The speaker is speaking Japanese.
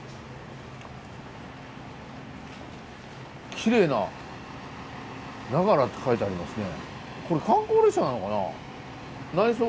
きれいな「ながら」って書いてありますね。